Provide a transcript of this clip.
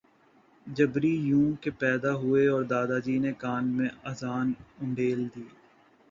جبری یوں کہ پیدا ہوئے اور دادا جی نے کان میں اذان انڈیل دی